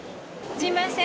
すいません。